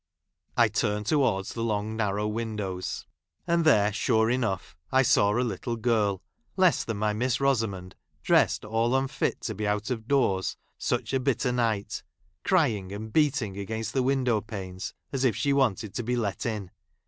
' I turned towards the long narrow windows, I and there, sure enough, I saw a little girl, less ) than my Miss Eosamond— dressed all unfit to I I be out of doors such a bitter night^ — crying, i and beating against the window panes, as if ! I she wanted to be let in.